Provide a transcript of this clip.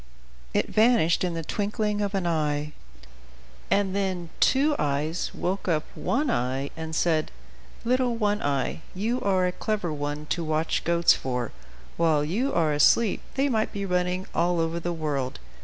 It vanished in the twinkling of an eye; and then Two Eyes woke up One Eye, and said: "Little One Eye, you are a clever one to watch goats; for, while you are asleep, they might be running all over the world.